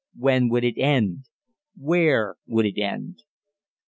When would it end? Where would it end?